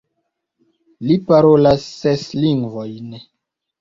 Li parolas ses lingvojn.